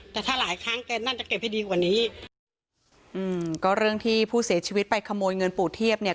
แต่ถ้าหลายครั้งแกน่าจะเก็บให้ดีกว่านี้อืมก็เรื่องที่ผู้เสียชีวิตไปขโมยเงินปู่เทียบเนี่ย